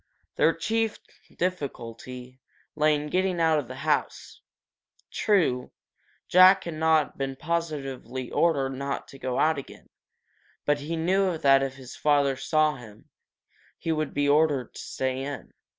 Their chief difficulty lay in getting out of the house. True, Jack had not been positively ordered not to go out again, but he knew that if his father saw him, he would be ordered to stay in.